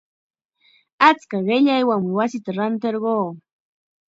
Achka qillaywanmi wasita rantirquu.